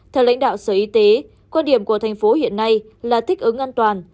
theo lãnh đạo sở y tế quan điểm của thành phố hiện nay là thích ứng an toàn